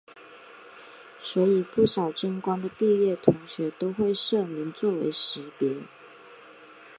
所以不少真光的毕业同学都会社名作为识别。